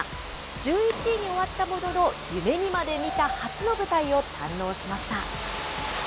１１位に終わったものの、夢にまで見た初の舞台を堪能しました。